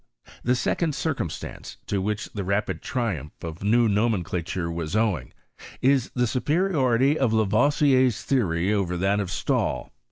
The second circumstance, to which the rapid triumph of the new nomenclature was owing, is the superiority of I BISTORT OF CHEMISTftT. Lavoisier's theory over that of Stahl.